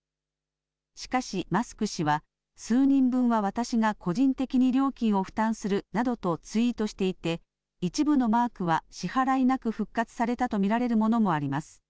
しかし、マスク氏は数人分は私が個人的に料金を負担するなどとツイートしていて、一部のマークは支払いなく復活されたと見られるものもあります。